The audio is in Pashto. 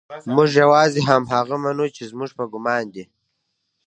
موږ يوازې هماغه منو چې زموږ په ګمان کې دي.